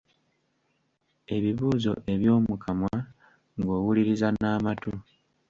Ebibuuzo eby'omu kamwa ng'owuliriza n'amatu.